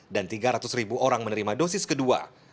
dan tiga ratus ribu orang menerima dosis kedua